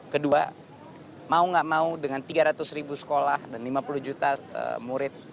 kedua mau gak mau dengan tiga ratus ribu sekolah dan lima puluh juta murid